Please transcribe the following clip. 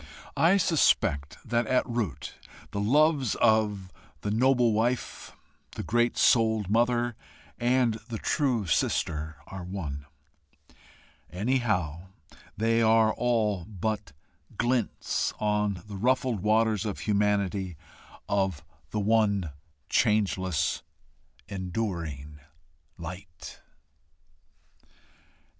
I suspect that at root the loves of the noble wife, the great souled mother, and the true sister, are one. Anyhow, they are all but glints on the ruffled waters of humanity of the one changeless enduring Light.